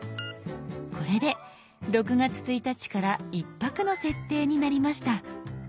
これで６月１日から１泊の設定になりました。